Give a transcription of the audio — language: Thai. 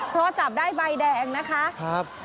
พอจับได้ใบแดงนะคะ